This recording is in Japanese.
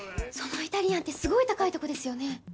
そのイタリアンってすごい高いとこですよね？